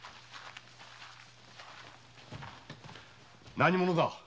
何者だ！